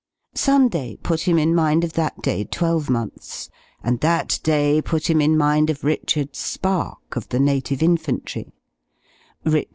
Sunday put him in mind of that day twelvemonths; and that day put him in mind of Richard Spark, of the Native Infantry; Rich.